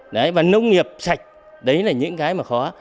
đấy và nông nghiệp sạch đấy là những cái mà khó